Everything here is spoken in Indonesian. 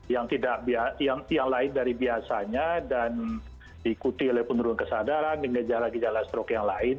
yang lain dari biasanya dan diikuti oleh penurunan kesadaran dengan gejala gejala stroke yang lain